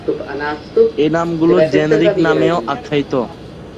এ নামগুলো জেনেরিক নামেও আখ্যায়িত।